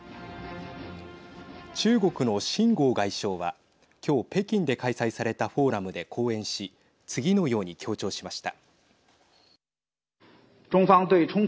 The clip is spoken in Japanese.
中国の秦剛外相は今日、北京で開催されたフォーラムで講演し次のように強調しました。